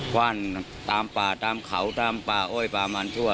ว่านตามป่าตามเขาตามป่าอ้อยป่ามันทั่ว